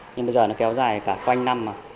nhưng bây giờ nó kéo dài cả quanh năm mà